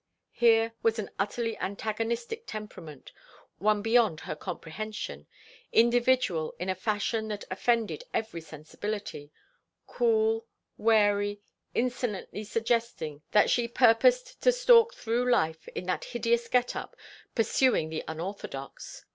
Here was an utterly antagonistic temperament, one beyond her comprehension, individual in a fashion that offended every sensibility; cool, wary, insolently suggesting that she purposed to stalk through life in that hideous get up, pursuing the unorthodox.